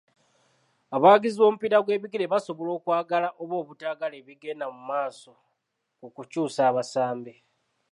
Abawagizi b'omupiira gw'ebigere basobola okwagala oba obutaagala ebigenda mu maaso ku kukyusa abasambi.